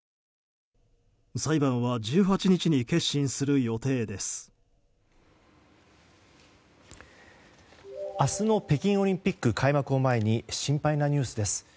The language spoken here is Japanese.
明日の北京オリンピック開幕を前に心配なニュースです。